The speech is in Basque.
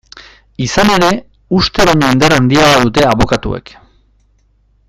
Izan ere, uste baino indar handiagoa dute abokatuek.